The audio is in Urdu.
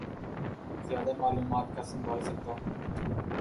زیادہ معلومات کا سنبھال سکتا ہوں